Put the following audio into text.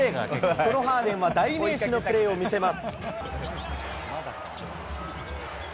そのハーデンは代名詞のプレーを見せます。